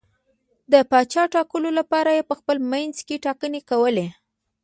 د پاچا ټاکلو لپاره یې په خپل منځ کې ټاکنې کولې.